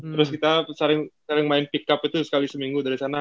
terus kita sering main pick up itu sekali seminggu dari sana